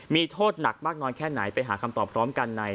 มีโทษหนักมากน้อยแค่ไหนไปหาคำตอบพร้อมกันใน